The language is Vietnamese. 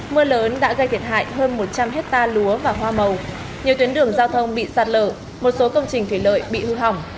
mưa lớn đã gây thiệt hại hơn một trăm linh hectare lúa và hoa màu nhiều tuyến đường giao thông bị sạt lở một số công trình thủy lợi bị hư hỏng